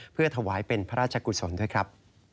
เพื่อถวายเป็นพระราชกุศลด้วยครับ